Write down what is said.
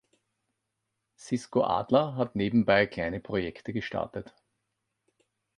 Cisco Adler hat nebenbei kleine Projekte gestartet.